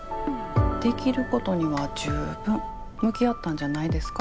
できることには十分向き合ったんじゃないですか？